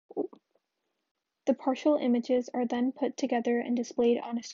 The partial images are then put together and displayed on the screen.